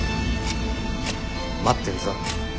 待ってんぞ。